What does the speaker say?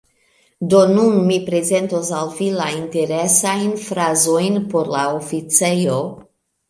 Do nun mi prezentos al vi la interesajn frazojn por la oficejo: